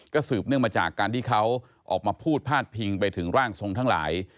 สืบเนื่องมาจากการที่เขาออกมาพูดพาดพิงไปถึงร่างทรงทั้งหลาย